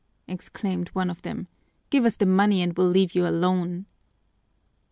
exclaimed one of them. "Give us the money and we'll leave you alone."